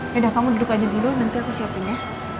yaudah kamu duduk aja dulu nanti aku siapin ya